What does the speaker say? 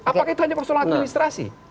apakah itu hanya persoalan administrasi